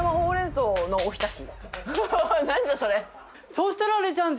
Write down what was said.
そしたらあれじゃん！